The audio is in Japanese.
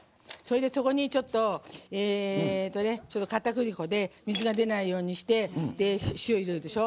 そこにかたくり粉で水が出ないようにして塩を入れるでしょ。